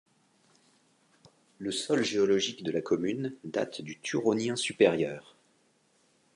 Le sol géologique de la commune date du Turonien supérieur.